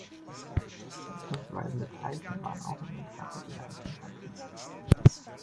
Richtungsweisende Zeichen waren auch in den Kacheldesigns enthalten.